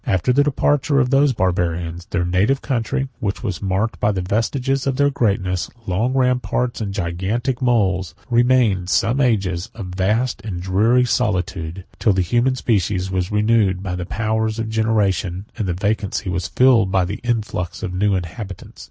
After the departure of those Barbarians, their native country, which was marked by the vestiges of their greatness, long ramparts, and gigantic moles, 69 remained, during some ages, a vast and dreary solitude; till the human species was renewed by the powers of generation, and the vacancy was filled by the influx of new inhabitants.